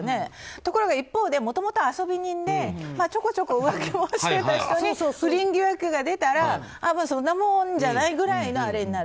ところがもともと遊び人でちょこちょこ浮気もしてた人に不倫疑惑が出たらそんなもんじゃない？くらいのあれになる。